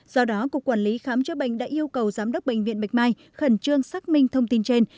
bệnh viện yêu cầu giám đốc bệnh viện bạch mai khẩn trương xác minh thông tin trên